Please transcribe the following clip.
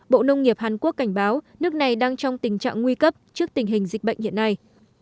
bộ nông nghiệp hàn quốc cảnh báo nước này đang trong tình trạng nguy cấp trước tình hình dịch bệnh hiện nay